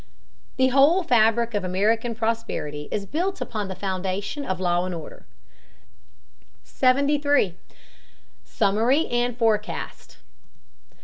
] The whole fabric of American prosperity is built upon the foundation of law and order. 73. SUMMARY AND FORECAST.